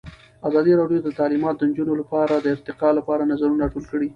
ازادي راډیو د تعلیمات د نجونو لپاره د ارتقا لپاره نظرونه راټول کړي.